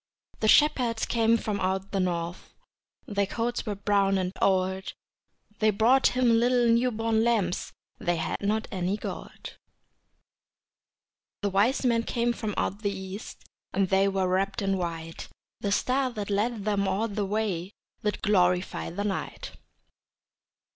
The shepherds came from out the north, Their coats were brown and old, They brought Him little new born lambs They had not any gold. The wise men came from out the east, And they were wrapped in white; The star that led them all the way Did glorify the night.